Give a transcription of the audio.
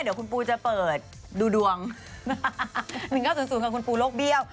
เดี๋ยวคุณปูจะเปิดดูดวงหนึ่งเก้าศูนย์ศูนย์กับคุณปูโลกเบี้ยว